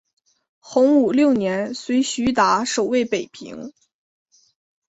洪武六年随徐达守卫北平。